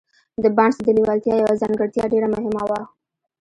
د بارنس د لېوالتیا يوه ځانګړتيا ډېره مهمه وه.